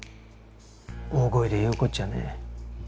大声で言うことじゃねえ。